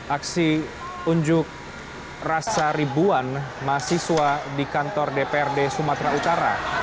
aksi unjuk rasa ribuan mahasiswa di kantor dprd sumatera utara